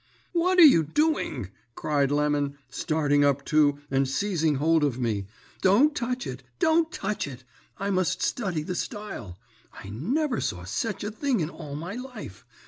"'What are you doing?' cried Lemon, starting up too, and seizing hold of me. 'Don't touch it don't touch it! I must study the style. I never saw sech a thing in all my life.